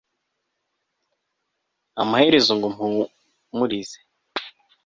amaherezo ngo mpumurize